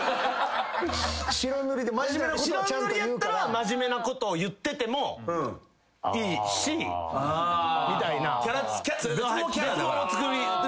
白塗りやったら真面目なことを言っててもいいしみたいな。別のキャラだから。